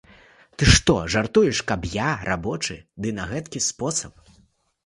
Ты што, жартуеш, каб я, рабочы, ды на гэткі спосаб.